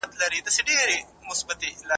غيبت کول د ژبي يو بد عادت دی.